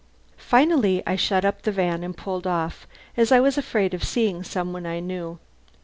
Finally I shut up the van and pulled off, as I was afraid of seeing some one I knew.